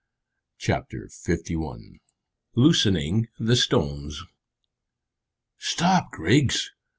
CHAPTER FIFTY ONE. LOOSENING THE STONES. "Stop, Griggs!"